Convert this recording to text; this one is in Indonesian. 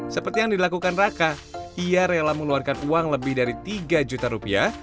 seperti yang dilakukan raka ia rela mengeluarkan uang lebih dari tiga juta rupiah